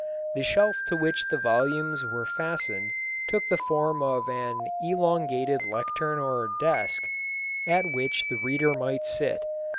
The shelf to which the volumes were fastened took the form or an "elongated lectern or desk," at which the reader might sit.